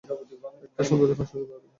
একটা সুন্দর সুখী পরিবার!